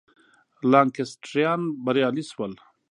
لانکسټریان بریالي شول.